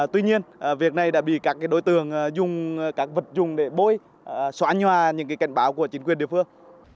tuy nhiên việc này đã bị các đối tượng dùng các vật dùng để bôi xóa nhoa những cảnh báo của chính quyền địa phương